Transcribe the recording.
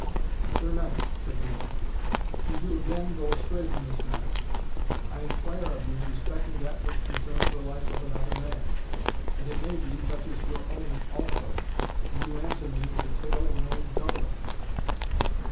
"Sir Knight," said the monk, "you do again go astray from this matter. I inquire of you respecting that which concerns the life of another man, and it may be, touches your own also, and you answer me with the tale of an old doublet!"